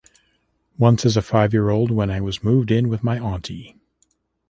Once as a five-year-old when I was moved in with my auntie.